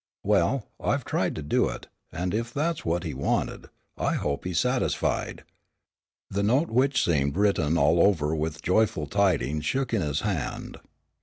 Well, I've tried to do it, and if that's what he wanted, I hope he's satisfied." The note which seemed written all over with joyful tidings shook in his hand.